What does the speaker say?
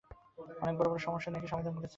অনেক বড় বড় সমস্যা নাকি সমাধান করেছেন।